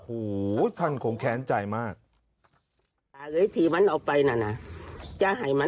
โอ้โหท่านคงแค้นใจมาก